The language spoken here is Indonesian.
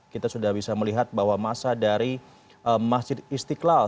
kita sudah bisa melihat bahwa masa dari masjid istiqlal